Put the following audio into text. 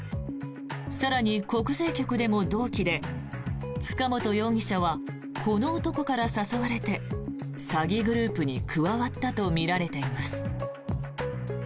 更に国税局でも同期で塚本容疑者はこの男から誘われて詐欺グループに加わったとみられています。